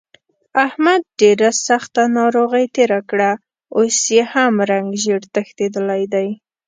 احمد ډېره سخته ناروغۍ تېره کړه، اوس یې هم رنګ زېړ تښتېدلی دی.